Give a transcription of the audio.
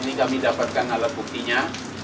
ini kami dapatkan alat buktinya